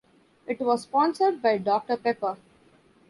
It was sponsored by Doctor Pepper.